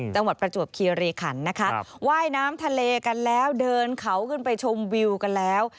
จังหวัดประจวบคียเรคันว่ายน้ำทะเลกันแล้วเดินเขาขึ้นไปชมวิวกันแล้ว